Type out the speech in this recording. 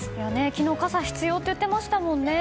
昨日、傘が必要って言ってましたもんね。